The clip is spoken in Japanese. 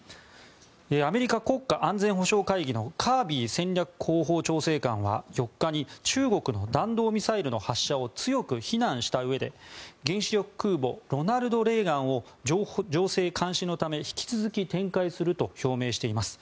アメリカ国家安全保障会議のカービー戦略広報調整官は４日に中国の弾道ミサイルの発射を強く非難したうえで原子力空母「ロナルド・レーガン」を情勢監視のため、引き続き展開すると表明しています。